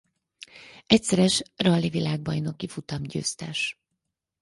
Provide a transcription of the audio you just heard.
Egyszeres rali-világbajnoki futamgyőztes.